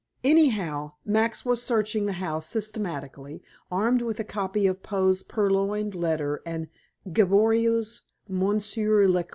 Anyhow, Max was searching the house systematically, armed with a copy of Poe's Purloined Letter and Gaboriau's Monsieur LeCoq.